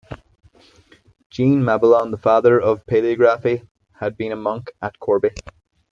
Jean Mabillon, the father of paleography, had been a monk at Corbie.